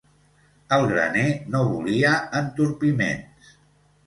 El graner no volia entorpiments.